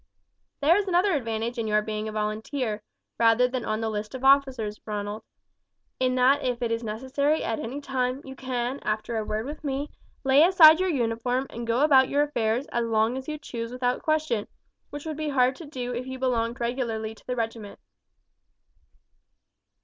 "There is another advantage in your being a volunteer, rather than on the list of officers, Ronald; in that if it is necessary at any time, you can, after a word with me, lay aside your uniform and go about your affairs as long as you choose without question, which would be hard to do if you belonged regularly to the regiment."